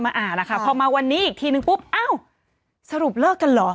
อ่านนะคะพอมาวันนี้อีกทีนึงปุ๊บอ้าวสรุปเลิกกันเหรอ